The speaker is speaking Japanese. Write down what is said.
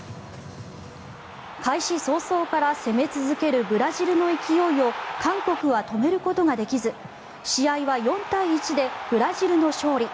開始早々から攻め続けるブラジルの勢いを韓国は止めることができず試合は４対１でブラジルの勝利。